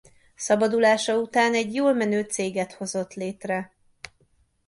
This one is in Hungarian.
Szabadulása után egy jól menő céget hozott létre.